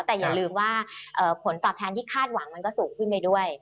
แต่อย่าลืมว่าผลตอบแทนที่คาดหวังมันก็สูงขึ้นไปด้วย